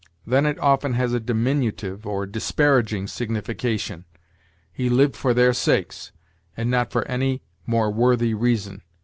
Then it often has a diminutive or disparaging signification. 'He lived for their sakes,' and not for any more worthy reason.